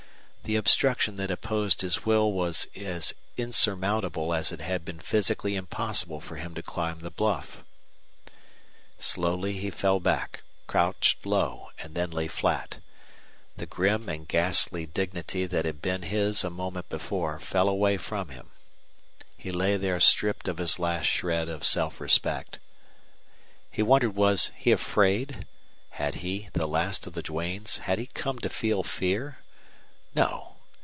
The obstruction that opposed his will was as insurmountable as it had been physically impossible for him to climb the bluff. Slowly he fell back, crouched low, and then lay flat. The grim and ghastly dignity that had been his a moment before fell away from him. He lay there stripped of his last shred of self respect. He wondered was he afraid; had he, the last of the Duanes had he come to feel fear? No!